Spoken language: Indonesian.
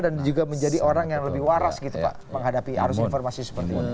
dan juga menjadi orang yang lebih waras gitu pak menghadapi arus informasi seperti itu